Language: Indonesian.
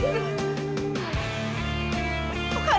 udah berkata aku jemput terus